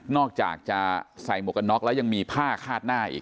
นอกจากการใส่หมวกนน็อกและยังมีผ้าฆาตหน้า